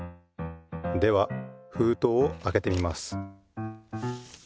ではふうとうをあけてみます。